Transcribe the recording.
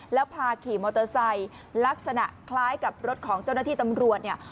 แล้วพาขี่มอเตอร์ไซค์ลักษณะคล้ายกับรถของเจ้าหน้าที่ตำรวจเนี่ย